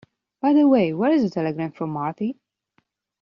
By the way, where is the telegram from Marthe?